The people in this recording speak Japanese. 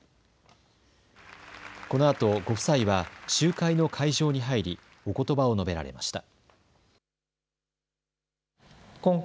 このあと、ご夫妻は集会の会場に入りおことばを述べられました。